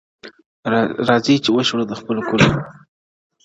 راځی چي وشړو له خپلو کلیو!!